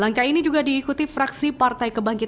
langkah ini juga diikuti fraksi partai kebangkitan